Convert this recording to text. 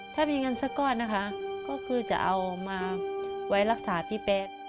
ถ้ามีเงินสักก็จะเอามาไว้รักษาพี่แป๊บ